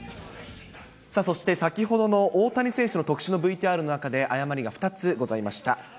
そして先ほどの大谷選手の特集のＶＴＲの中で誤りが２つございました。